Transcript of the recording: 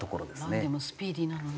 なんでもスピーディーなのね。